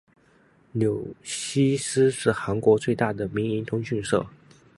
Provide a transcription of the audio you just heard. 纽西斯是韩国最大的民营通讯社。